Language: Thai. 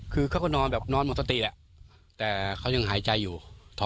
คือก็นอนโมนสตรีแล้วแต่เขายังหายใจอยู่